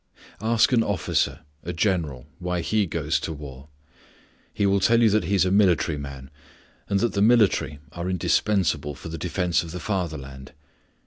Ask an officer, a general, why he goes to the war. He will tell you that he is a military man, and that the military are indispensable for the defence of the fatherland.